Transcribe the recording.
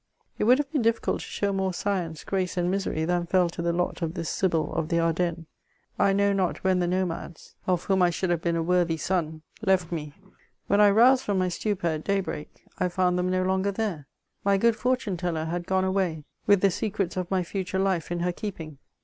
It would have been difficult to show more science, grace, and misery than fell to the lot of this sibyl of the Ardennes. I know not when the nomadeSy of whom I should have been a worthy son> 360 MEMOISS OF left me. When I roused from my stupor at daybreak, I found them no longer there. My good fortune teller had g^ne away with the secrets of my niture life in her keeping.